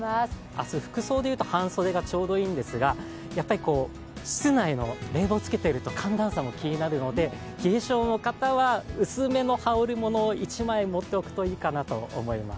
明日、服装で言うと半袖がちょうどいいんですが、やはり室内の冷房をつけてると寒暖差も気になるので冷え性の方は薄めの羽織るものを１枚持っておくといいかなと思います。